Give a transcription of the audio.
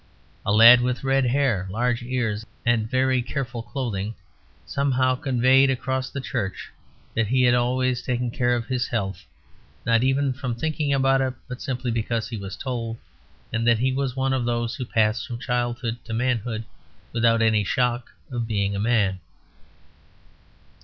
A lad with red hair, large ears, and very careful clothing, somehow conveyed across the church that he had always taken care of his health, not even from thinking about it, but simply because he was told, and that he was one of those who pass from childhood to manhood without any shock of being a man.